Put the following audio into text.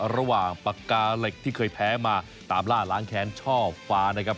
ปากกาเหล็กที่เคยแพ้มาตามล่าล้างแค้นช่อฟ้านะครับ